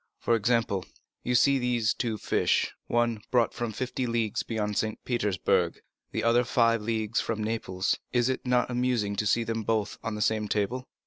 For example, you see these two fish; one brought from fifty leagues beyond St. Petersburg, the other five leagues from Naples. Is it not amusing to see them both on the same table?"